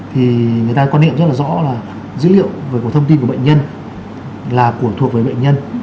thì người ta có quan điểm rất rõ là dữ liệu về thông tin của bệnh nhân là thuộc về bệnh nhân